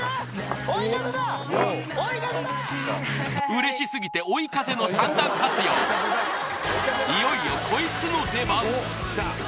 嬉しすぎて追い風の３段活用いよいよこいつの出番！